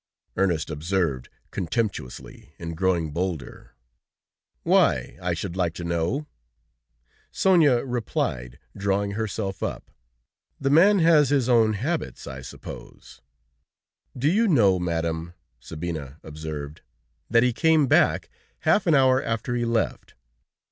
Ernest observed contemptuously, and growing bolder. "Why, I should like to know?" Sonia replied, drawing herself up. "The man has his own habits, I suppose!" "Do you know, Madame," Sabina observed, "that he came back half an hour after he left?"